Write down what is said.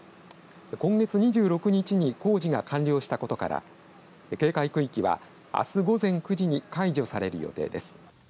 今月２６日に工事が完了したことから警戒区域は、あす午前９時に解除される予定です。